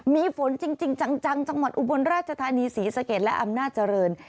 มีฝนจริงจังจังหวัดอุบลราชธานีศรีสะเกดและอำนาจเจริญ